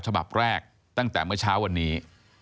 ฉบับแรกตั้งแต่เมื่อเช้าวันนี้